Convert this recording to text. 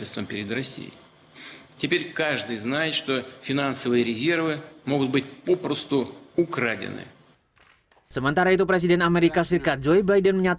yang menunjukkan kepercayaan kita untuk mengirim sistem yang paling menutupi ukraina untuk pertahanannya